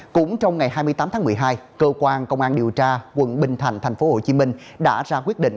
cũng trong ngày hai mươi tám tháng một mươi hai cơ quan công an điều tra quận bình thạnh tp hcm đã ra quyết định